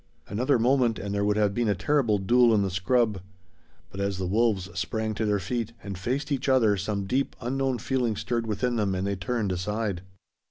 Another moment and there would have been a terrible duel in the scrub; but as the wolves sprang to their feet and faced each other some deep, unknown feeling stirred within them and they turned aside.